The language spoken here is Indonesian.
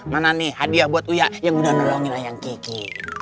mana nih hadiah buat ia yang udah nolongin ayang kiki